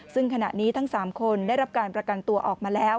ซึ่งขณะนี้ทั้ง๓คนได้รับการประกันตัวออกมาแล้ว